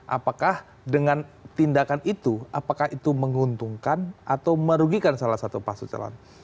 apakah dengan tindakan itu apakah itu menguntungkan atau merugikan salah satu paslon